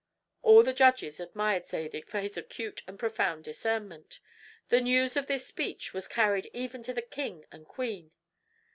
All the judges admired Zadig for his acute and profound discernment. The news of this speech was carried even to the king and queen.